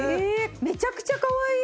めちゃくちゃかわいい！